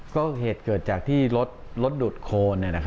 ก็เหตุเกิดจากที่รถดูดโคน